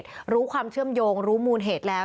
ตอนนี้ยังไม่ได้นะครับ